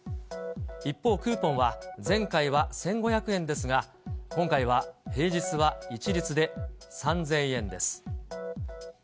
一方、クーポンは前回は１５００円ですが、今回は平日は一律で３０００円です。